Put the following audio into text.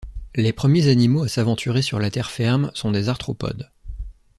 Les premiers animaux à s'aventurer sur la terre ferme sont des arthropodes.